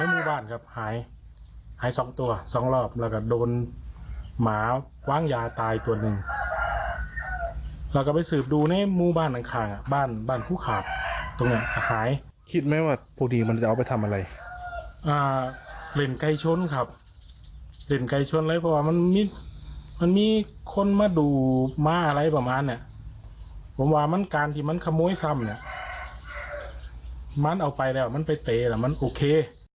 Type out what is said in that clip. ถูกมาอะไรประมาณเนี่ยผมว่ามันการที่มันขโมยซ้ำเนี่ยมันเอาไปแล้วมันไปเตะแล้วมันโอเค